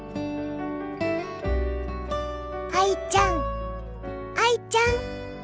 愛ちゃん愛ちゃん。